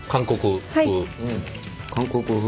韓国風。